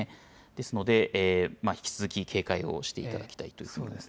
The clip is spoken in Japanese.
ですので、引き続き警戒をしていただきたいというふうに思います。